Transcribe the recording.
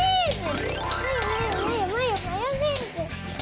マヨマヨマヨマヨマヨネーズ！